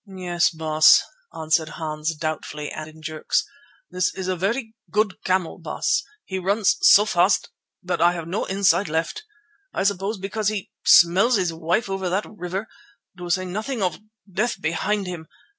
"Yes, Baas," answered Hans doubtfully and in jerks. "This is very good camel, Baas. He runs so fast that I have no inside left, I suppose because he smells his wife over that river, to say nothing of death behind him.